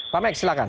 pak max silahkan